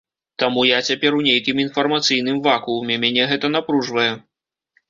Таму я цяпер у нейкім інфармацыйным вакууме, мяне гэта напружвае.